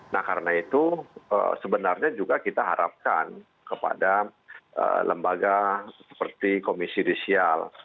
nah karena itu sebenarnya juga kita harapkan kepada lembaga seperti komisi risial